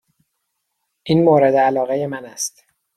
این مورد علاقه من است.